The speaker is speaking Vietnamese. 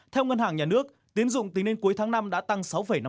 theo ngân hàng nhà nước tiến dụng tính đến cuối tháng năm đã tăng sáu năm mươi ba